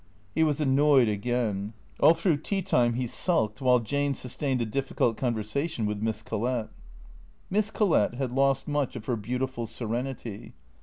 He was annoyed again. All through tea time he sulked, while Jane sustained a difficult conversation with Miss Collett. Miss Collett had lost much of her beautiful serenity.